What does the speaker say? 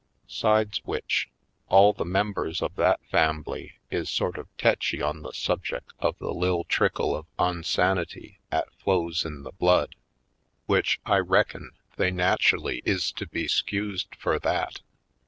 'Sides w'ich, all the members of that fambly is sort of techy on the subjec' of the lil' trickle of onsanity 'at flows in the blood, w'ich, I reckin, they natchelly is to be 214 /. Poindexter, Colored 'scused fur that.